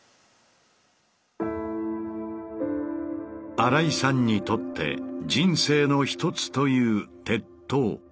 新井さんにとって「人生の一つ」という鉄塔。